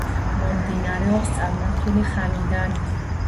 მომდინარეობს წარმართული ხანიდან.